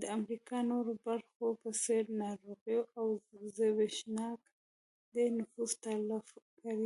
د امریکا د نورو برخو په څېر ناروغیو او زبېښاک ډېر نفوس تلف کړ.